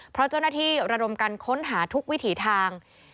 เพราะเจ้าหน้าที่ระดมกันค้นหาทุกวิถีทาง